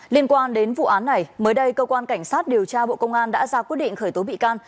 liên quan đến vụ án này mới đây cơ quan cảnh sát điều tra bộ công an đã ra quyết định khởi tố bị can